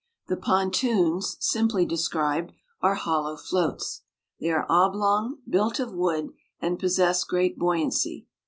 The pontoons, simply described, are hollow floats. They are oblong, built of wood, and possess great buoyancy.